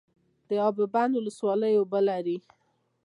د اب بند ولسوالۍ اوبه لري